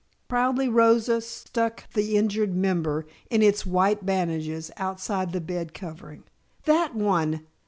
Proudly Rosa stuck the injured member, in its white bandages, outside the bed covering. "That one!